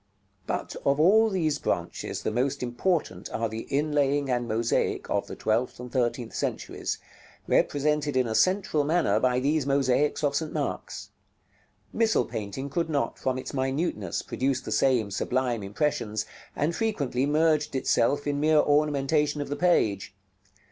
§ LXIII. But of all these branches the most important are the inlaying and mosaic of the twelfth and thirteenth centuries, represented in a central manner by these mosaics of St. Mark's. Missal painting could not, from its minuteness, produce the same sublime impressions, and frequently merged itself in mere ornamentation of the page.